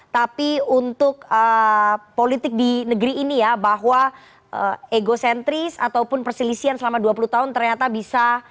tapi untuk politik di negeri ini ya bahwa egocentris ataupun perselisihan selama dua puluh tahun ternyata bisa